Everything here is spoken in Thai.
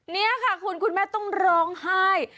นี่ค่ะคุณคุณแม่ต้องร้องไห้